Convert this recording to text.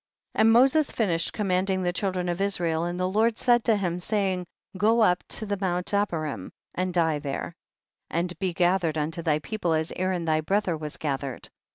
9. And Moses finished command ing the children of Israel, and the Lord said to him, saying, go up to the mount Abarim and die there, and be gathered unto thy people as Aaron thy brother was gathered.